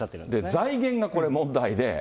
財源がこれ問題で。